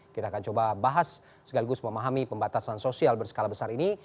kita akan coba bahas seganggus memahami pembatasan sosial berskala besar ini